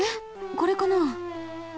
これかな